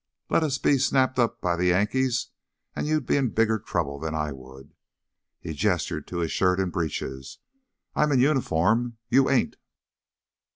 Let us be snapped up by the Yankees, and you'd be in bigger trouble than I would." He gestured to his shirt and breeches. "I'm in uniform; you ain't."